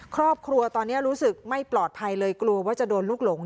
ครอบครัวตอนนี้รู้สึกไม่ปลอดภัยเลยกลัวว่าจะโดนลูกหลง